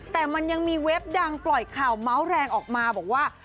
แต่มันยังมีเว็บดังปล่อยข่าวเมาส์แรงออกมาบอกว่า